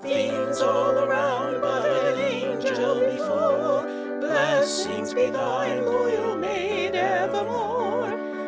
_ Fiends all a round but an an gel be fore! Blessings be thine, loyal maid, ev er more!